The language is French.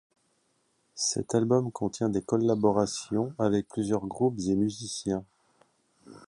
Cet album contient des collaborations avec plusieurs groupes et musiciens.